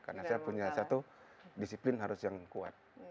karena saya punya satu disiplin yang harus kuat